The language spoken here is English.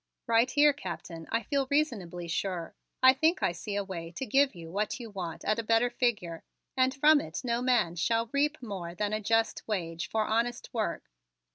"Right here, Captain, I feel reasonably sure. I think I see a way to give you what you want at a better figure; and from it no man shall reap more than a just wage for honest work.